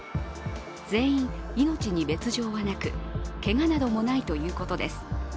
全員、命に別状はなくけがなどもないということです。